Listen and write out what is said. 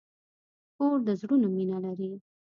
کور د زړونو مینه لري.